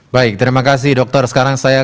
baik terima kasih dokter sekarang saya